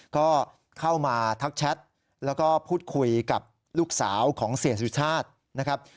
ก็เข้ามาทักแชทแล้วก็พูดคุยกับลูกสาวของเสียสุชาตินะครับ